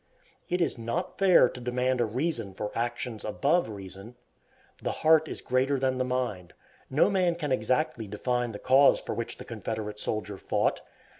It is not fair to demand a reason for actions above reason. The heart is greater than the mind. No man can exactly define the cause for which the Confederate soldier fought.